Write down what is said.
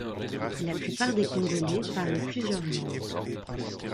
La plupart des Congolais parlent plusieurs langues.